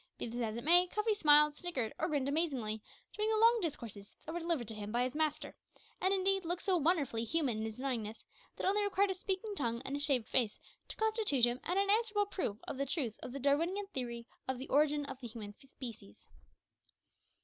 Be this as it may, Cuffy smiled, snickered, or grinned amazingly, during the long discourses that were delivered to him by his master, and indeed looked so wonderfully human in his knowingness, that it only required a speaking tongue and a shaved face to constitute him an unanswerable proof of the truth of the Darwinian theory of the origin of the human species.